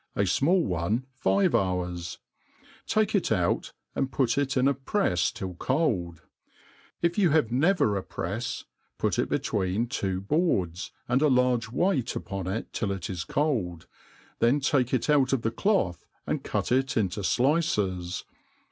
a fmali one, fivcf hoursj takq it out, and put it in a prefs till cold ; if you have never a prefs, put it between two boards, and a large weight upon it till it is col^i; then take if out of the doth, and cpt it into flices.